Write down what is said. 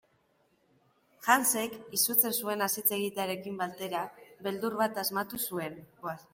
Hansek, izutzen zuenaz hitz egitearekin batera, beldur bat asmatu zuen.